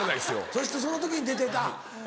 そしてその時に出てた。